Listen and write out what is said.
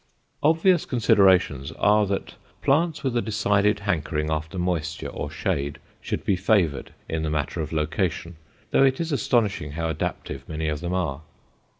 Obvious considerations are that plants with a decided hankering after moisture or shade should be favored in the matter of location, though it is astonishing how adaptive many of them are.